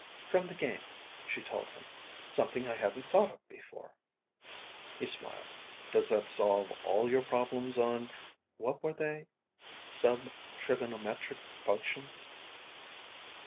"From the game," she told him. "Something I hadn't thought of before." He smiled. "Does that solve all your problems on what were they sub trigonometric functions?"